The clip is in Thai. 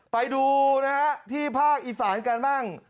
ไปดูนะฮะที่ภาคอีสานกันบ้าง